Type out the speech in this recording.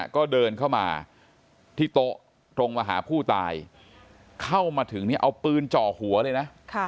ก็เดินเข้ามาที่โต๊ะตรงมาหาผู้ตายเข้ามาถึงเนี่ยเอาปืนจ่อหัวเลยนะ